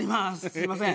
すみません。